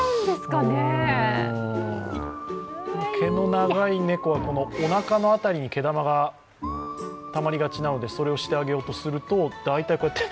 毛の長い猫は、おなかの辺りに毛玉がたまりがちなのでそれをしてあげようとすると、大体こうやって